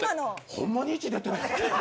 ホンマに１出てる。